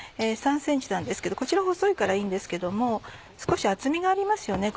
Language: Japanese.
３ｃｍなんですけどこちら細いからいいんですけど少し厚みがありますよね。